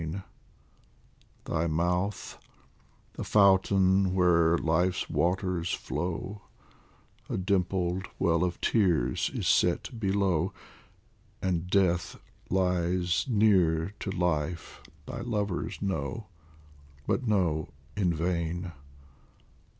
70 DIVAN OF HAFIZ Thy mouth the fountain where Life's waters flow, A dimpled well of tears is set below, And death lies near to life thy lovers know, But know in vain